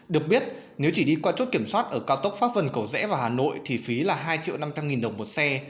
được biết nếu chỉ đi qua chốt kiểm soát ở cao tốc pháp phần cầu rẽ vào hà nội thì phí là hai triệu năm trăm linh nghìn đồng một xe